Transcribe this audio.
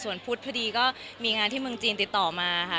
ส่วนพุธพอดีก็มีงานที่เมืองจีนติดต่อมาค่ะ